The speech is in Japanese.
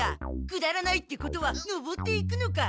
くだらないってことはのぼっていくのか。